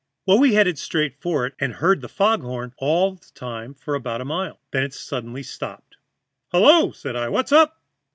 Well, we headed straight for it, and heard the fog horn all the time for about a mile. Then it suddenly stopped. "'Hullo!' said I. 'What's up?'